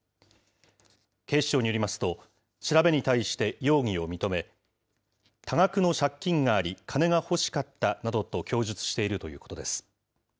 警視庁によりますと、調べに対して容疑を認め、多額の借金があり、金が欲しかったなどと供述しているということです。